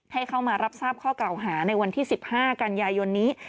ให้เข้ามารับทราบข้อเก่าหาในวันที่๑๕กันยายนนี้